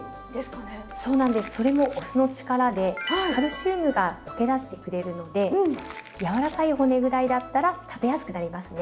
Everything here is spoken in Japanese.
カルシウムが溶け出してくれるのでやわらかい骨ぐらいだったら食べやすくなりますね。